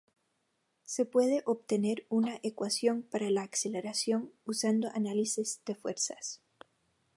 Se puede obtener una ecuación para la aceleración usando análisis de fuerzas.